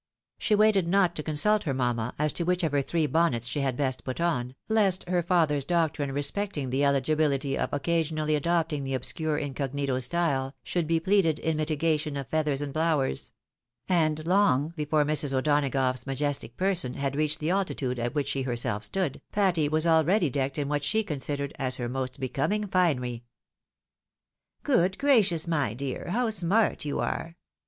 She waited not to consult her mamma, as to which of her three bonnets she had best put on, lest her father's doctrine respecting the ehgibility of occasionally adopt ing the obscure incognito style, should be pleaded in mitigation of feathers and flowers ; and long enough before Mrs. O'Dona gough's majestic person had reached the altitude at which she herself stood, Patty was already decked in what she considered as her most becoming finery. " Good gracious ! my dear, how smart you are